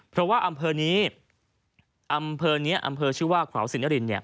เพราะว่าอำเภอนี้อำเภอชื่อว่าขวาวสิรินทร์เนี่ย